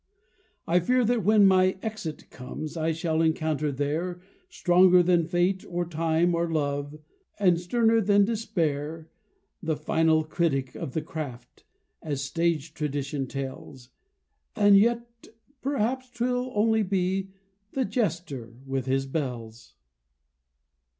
I fear that when my Exit comes, I shall encounter there, Stronger than fate, or time, or love, And sterner than despair, The Final Critic of the craft, As stage tradition tells; And yet perhaps 'twill only be The jester with his bells.